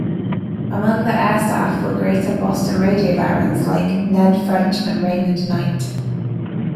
Among the air-staff were greater Boston radio veterans like Ned French and Raymond Knight.